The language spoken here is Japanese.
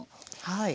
はい。